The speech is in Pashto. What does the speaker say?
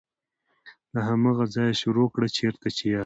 له هماغه ځایه یې شروع کړه چیرته چې یاست.